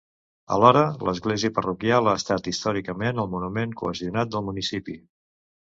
Alhora, l’església parroquial ha estat històricament el monument cohesionant del municipi.